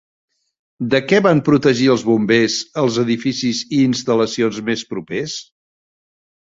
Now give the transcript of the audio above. De què van protegir els bombers els edificis i instal·lacions més propers?